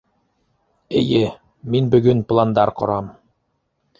Эйе, мин бөгөн пландар ҡорам!